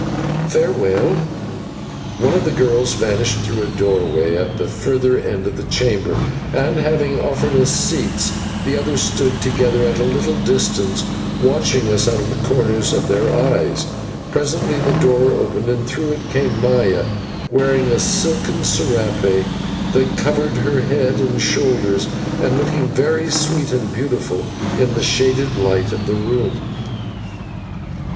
Farewell." One of the girls vanished through a doorway at the further end of the chamber, and, having offered us seats, the others stood together at a little distance, watching us out of the corners of their eyes. Presently the door opened, and through it came Maya, wearing a silken /serape/ that covered her head and shoulders, and looking very sweet and beautiful in the shaded light of the room.